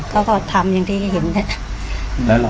เขาก็ทำอย่างที่เห็นเนี่ย